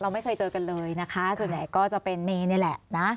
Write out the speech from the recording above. ไม่เคยเจอกันเลยนะคะส่วนใหญ่ก็จะเป็นเมย์นี่แหละนะ